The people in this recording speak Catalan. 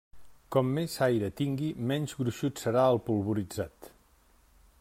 Com més aire tingui menys gruixut serà el polvoritzat.